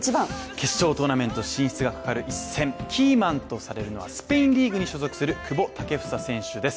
決勝トーナメント進出がかかる一戦、キーマンとされるのはスペインリーグに所属する久保建英選手です。